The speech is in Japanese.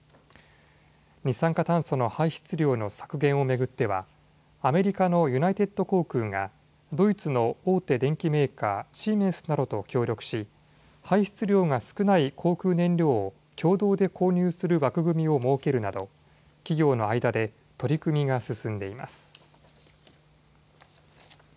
二酸化炭素の排出量の削減を巡ってはアメリカのユナイテッド航空がドイツの大手電機メーカー、シーメンスなどと協力し排出量が少ない航空燃料を共同で購入する枠組みを設けるなど企業の間で取り組みが進んでいます。